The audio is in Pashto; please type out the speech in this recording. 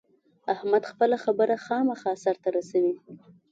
احمد خپله خبره خامخا سر ته رسوي.